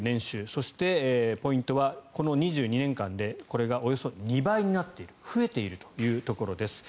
そしてポイントはこの２２年間でこれがおよそ２倍になっている増えているというところです。